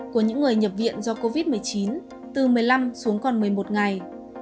của những người nhập viện do covid một mươi chín từ một mươi năm xuống còn một mươi một ngày